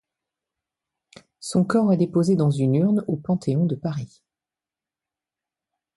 Son cœur est déposé dans une urne au Panthéon de Paris.